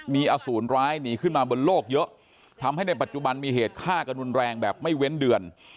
มีอสูรร้ายหนีขึ้นมาบนโลกเยอะทำให้ในปัจจุบันมีเหตุฆ่ากันรุนแรงแบบไม่เว้นเดือน